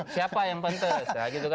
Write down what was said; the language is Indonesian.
siapa yang pentas ya gitu kan